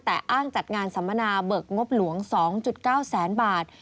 แต่อ้างจัดงานสัมมนาเบิกงบหลวง๒๙แสนบาท